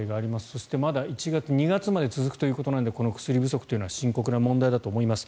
そして、まだ１月、２月まで続くということなのでこの薬不足は深刻な問題だと思います。